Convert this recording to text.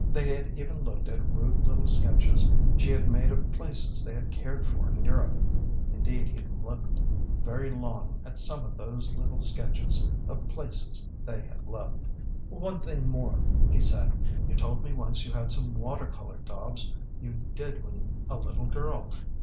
They had even looked at rude little sketches she had made of places they had cared for in Europe. Indeed he looked very long at some of those little sketches of places they had loved. "One thing more," he said; "you told me once you had some water colour daubs you did when a little girl.